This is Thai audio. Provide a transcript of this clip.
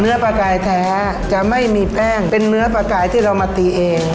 ปลากายแท้จะไม่มีแป้งเป็นเนื้อปลากายที่เรามาตีเอง